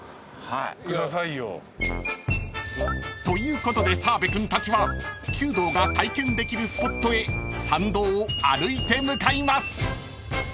［ということで澤部君たちは弓道が体験できるスポットへ参道を歩いて向かいます］